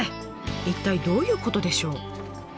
一体どういうことでしょう？